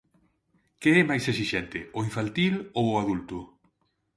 Que é máis exixente, o infantil ou o adulto?